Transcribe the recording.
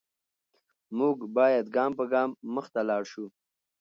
موږ باید ګام په ګام مخته لاړ شو.